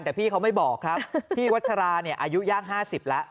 แต่พี่เขาไม่บอกครับพี่วัชราเนี่ยอายุย่าง๕๐แล้ว